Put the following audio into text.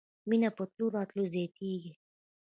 مېنه په تلو راتلو زياتېږي.